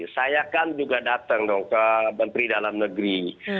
saya kan juga datang dong ke menteri dalam negeri